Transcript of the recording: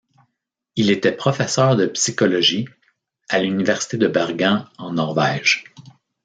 Il était professeur de psychologie à l'Université de Bergen en Norvège.